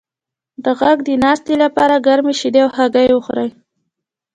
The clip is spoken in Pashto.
د غږ د ناستې لپاره ګرمې شیدې او هګۍ وخورئ